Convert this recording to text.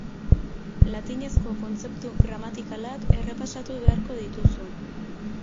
Latinezko kontzeptu gramatikalak errepasatu beharko dituzu.